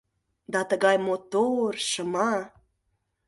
Да тыгай мотор, шыма